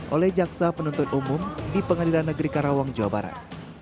oleh jaksa penuntut umum di pengadilan negeri karawang jawa barat